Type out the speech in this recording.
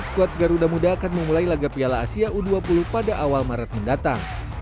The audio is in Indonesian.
skuad garuda muda akan memulai laga piala asia u dua puluh pada awal maret mendatang